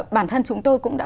bản thân chúng tôi cũng đã